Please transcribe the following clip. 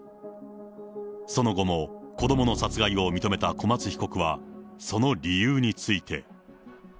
その後も、子どもの殺害を認めた小松被告は、その理由について。